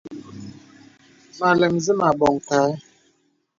Mə àlɛm zé mə̀ àbɔŋ kâ ɛ.